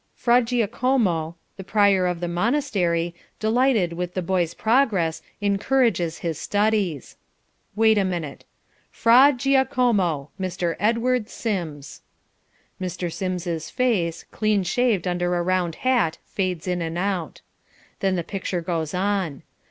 "...Fra Giacomo, the prior of the monastery, delighted with the boy's progress, encourages his studies." Wait a minute. FRA GIACOMO... Mr. Edward Sims Mr. Sims's face, clean shaved under a round hat fades in and out. Then the picture goes on.